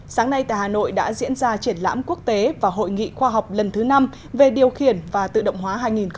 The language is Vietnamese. sáng nay tại hà nội đã diễn ra triển lãm quốc tế và hội nghị khoa học lần thứ năm về điều khiển và tự động hóa hai nghìn một mươi chín